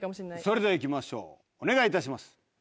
それではいきましょうお願いいたします。